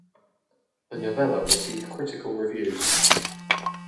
The novella received critical reviews.